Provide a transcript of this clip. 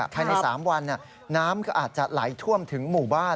ภายใน๓วันน้ำก็อาจจะไหลท่วมถึงหมู่บ้าน